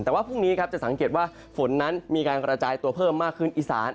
แต่ว่าพรุ่งนี้ครับจะสังเกตว่าฝนนั้นมีการกระจายตัวเพิ่มมากขึ้นอีสาน